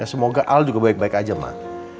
ya semoga al juga baik baik aja mak